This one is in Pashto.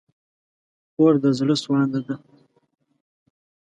خور د زړه سوانده ده.